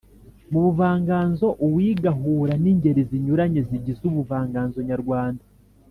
Mu buvanganzo uwiga ahura n’ingeri zinyuranye zigize ubuvanganzo nyarwanda